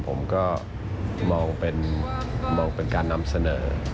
ผมก็มองเป็นการนำเสนอ